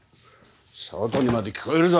外にまで聞こえるぞ。